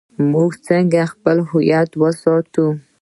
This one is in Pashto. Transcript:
موږ څنګه خپل هویت ساتو؟